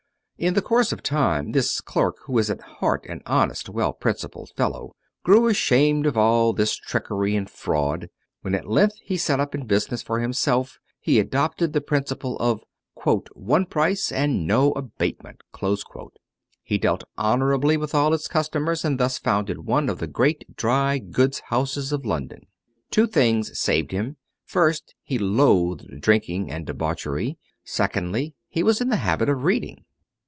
In the course of time, this clerk, who was at heart an honest, well principled fellow, grew ashamed of all this trickery and fraud, and when at length he set up in business for himself, he adopted the principle of "one price and no abatement." He dealt honorably with all his customers, and thus founded one of the great dry goods houses of London. Two things saved him: first, he loathed drinking and debauchery; secondly, he was in the habit of reading.